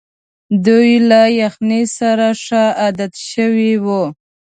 دوی له یخنۍ سره ښه عادت شوي وو.